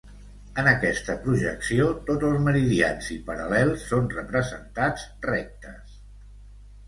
En aquesta projecció tots els meridians i paral·lels són representats rectes.